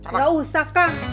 nggak usah kang